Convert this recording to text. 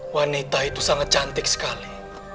wanita itu sangat cantik sekali